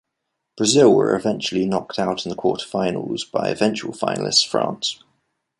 Brazil were eventually knocked out in the quarter-finals by eventual finalists France.